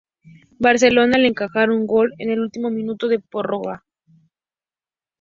Barcelona al encajar un gol en el último minuto de la prórroga.